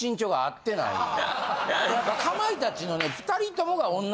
あとやっぱかまいたちのね。